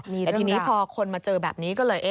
แต่ทีนี้พอคนมาเจอแบบนี้ก็เลย